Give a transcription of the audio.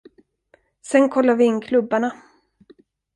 Sen kollar vi in klubbarna.